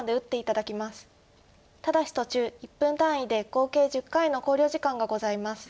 ただし途中１分単位で合計１０回の考慮時間がございます。